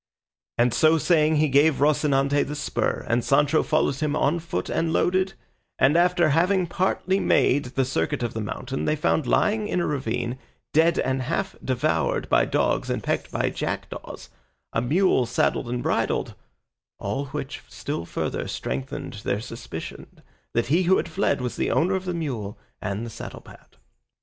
And so saying he gave Rocinante the spur, and Sancho followed him on foot and loaded, and after having partly made the circuit of the mountain they found lying in a ravine, dead and half devoured by dogs and pecked by jackdaws, a mule saddled and bridled, all which still further strengthened their suspicion that he who had fled was the owner of the mule and the saddle pad.